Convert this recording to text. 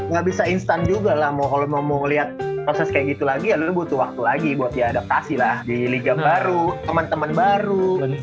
nggak bisa instan juga lah kalo mau liat proses kayak gitu lagi ya lo butuh waktu lagi buat diadaptasi lah di liga baru temen temen baru